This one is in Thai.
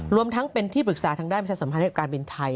รวมทั้งเป็นที่ปรึกษาทางด้านประชาสำหรับการบินไทย